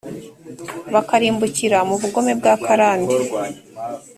bakarimbukira mu bugome bwa karande